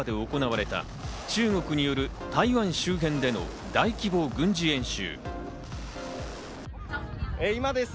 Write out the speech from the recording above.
今月４日から昨日まで行われた中国による台湾周辺での大規模軍事演習。